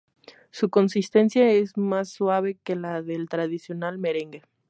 Su consistencia es más suave que la del tradicional merengue.